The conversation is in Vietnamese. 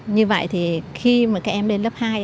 như vậy thì khi mà các em lên lớp hai